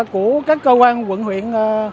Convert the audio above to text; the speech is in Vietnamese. của các cơ quan quận huyện